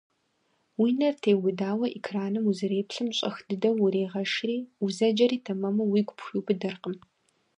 Уи нэр теубыдауэ экраным узэреплъым щӀэх дыдэу урегъэшри, узэджэри тэмэму уигу пхуиубыдэркъым.